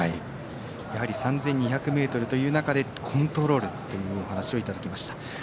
やはり、３２００ｍという中でコントロールというお話をいただきました。